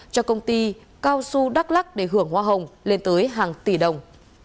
cho công ty cao su đắk lắc để hưởng hoa hồng lên tới hàng tỷ đồng